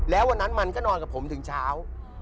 แล้ววันนั้นมันก็นอนกับผมถึงเช้า